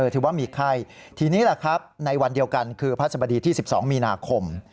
ถือว่ามีไข้ทีนี้แหละครับในวันเดียวกันคือพระสบดีที่๑๒มีนาคม